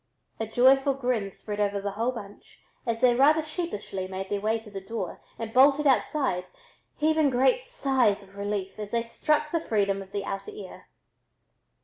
A joyful grin spread over the whole bunch as they rather sheepishly made their way to the door and bolted outside, heaving great sighs of relief as they struck the freedom of the outer air.